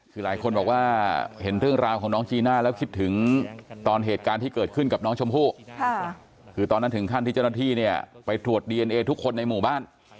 คือหลายคนบอกว่าเห็นเรื่องราวของน้องจีน่าแล้วคิดถึงตอนเหตุการณ์ที่เกิดขึ้นกับน้องชมพู่คือตอนนั้นถึงขั้นที่เจ้าหน้าที่เนี่ยไปตรวจดีเอนเอทุกคนในหมู่บ้าน